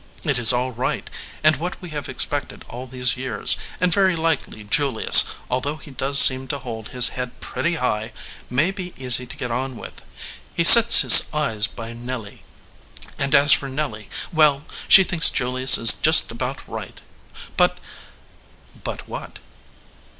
It is all right, and what we have expected all these years, and very likely Julius, although he does seem to hold his head pretty high, may be easy to get on with. He sets his eyes by Nelly, and as for Nelly, well, she thinks Julius is just about right; but " "But what?"